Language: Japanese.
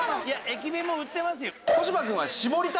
いや駅弁も売ってますよ。